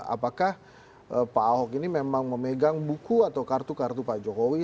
apakah pak ahok ini memang memegang buku atau kartu kartu pak jokowi